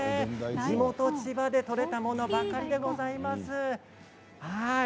地元、千葉で取れたものが並んでいます。